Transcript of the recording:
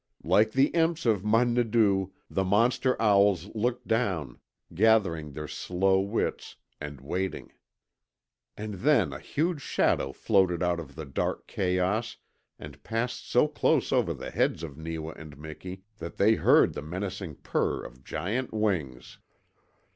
Like the imps of MUHNEDOO the monster owls looked down, gathering their slow wits and waiting. And then a huge shadow floated out of the dark chaos and passed so close over the heads of Neewa and Miki that they heard the menacing purr of giant wings.